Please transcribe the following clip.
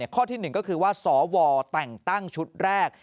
ข้อที่๑ก็คือว่าสวแต่งตั้งชุดแรก